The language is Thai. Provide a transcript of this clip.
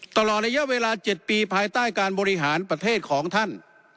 ตลอดระยะเวลา๗ปีภายใต้การบริหารประเทศของท่าน